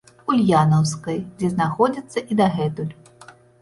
Ульянаўскай, дзе знаходзіцца і дагэтуль.